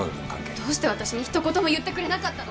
どうして私にひと言も言ってくれなかったの？